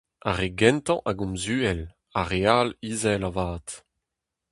Ar re gentañ a gomz uhel ; ar re all, izel avat.